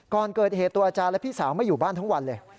ก่อนเกิดเหตุตัวอาจารย์และพี่สาวไม่อยู่บ้านทั้งวันเลย